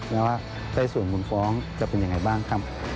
แล้วว่าใต้ส่วนมูลฟ้องจะเป็นยังไงบ้างครับ